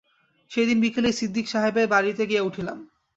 সেইদিন বিকালেই সিদিক সাহেবের বাড়িতে গিয়া উঠলাম।